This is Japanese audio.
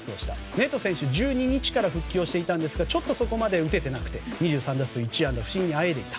ネト選手は１２日から復帰していたんですがちょっとそこまで打ててなくて２３打数１安打不振にあえいでいた。